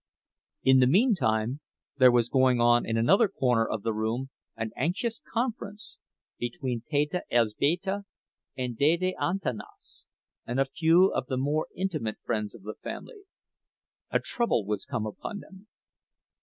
In the meantime there was going on in another corner of the room an anxious conference between Teta Elzbieta and Dede Antanas, and a few of the more intimate friends of the family. A trouble was come upon them.